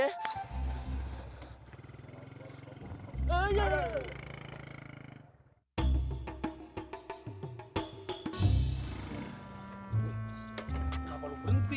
kenapa lo berhenti